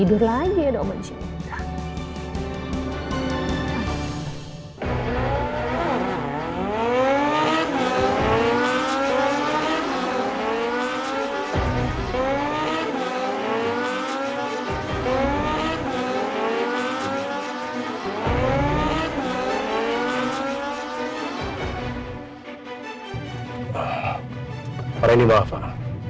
pernah ini maaf pak